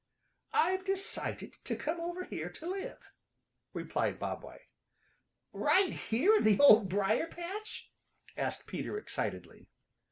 "I've decided to come over here to live," replied Bob White. "Right here in the Old Briar patch?" asked Peter excitedly.